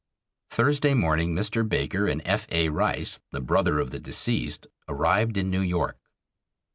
Thursday morning Mr. Baker and F. A. Rice, the brother of the deceased, arrived in New York.